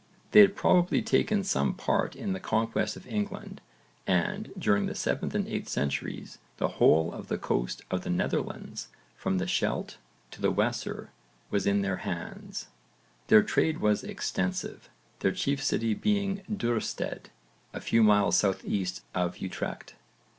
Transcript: They had probably taken some part in the conquest of England and, during the 7th and 8th centuries, the whole of the coast of the Netherlands from the Scheldt to the Weser was in their hands. Their trade was extensive, their chief city being Duurstede a few miles south east of Utrecht.